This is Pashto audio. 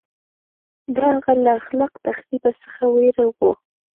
دا هغه له خلاق تخریب څخه وېره وه